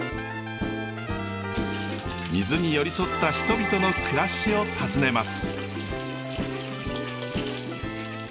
水に寄り添った人々の暮らしを訪ねます。